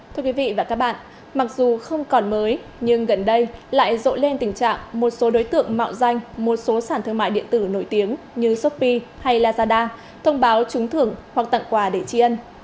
thưa quý vị và các bạn mặc dù không còn mới nhưng gần đây lại rộ lên tình trạng một số đối tượng mạo danh một số sản thương mại điện tử nổi tiếng như shopee hay lazada thông báo trúng thưởng hoặc tặng quà để chi ân